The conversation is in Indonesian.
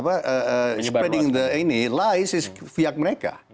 yang menyebarkan ini lias itu viag mereka